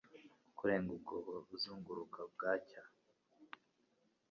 Kurenga umwobo uzunguruka bwacya